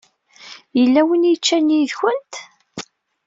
Yella win yeččan yid-went?